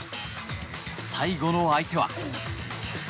最後の相手は。